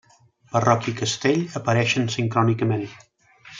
Parròquia i Castell apareixen sincrònicament.